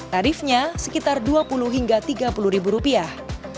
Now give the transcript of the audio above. tarifnya sekitar dua puluh hingga tiga puluh ribu rupiah